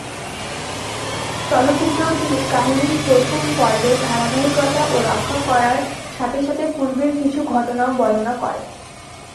চলচ্চিত্রটির কাহিনী প্রথম পর্বের ধারাবাহিকতা রক্ষা করার সাথে সাথে পূর্বের কিছু ঘটনাও বর্ণনা করে।